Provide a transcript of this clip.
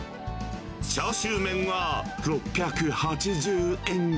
チャーシューメンは６８０円。